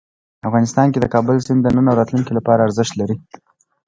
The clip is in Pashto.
افغانستان کې د کابل سیند د نن او راتلونکي لپاره ارزښت لري.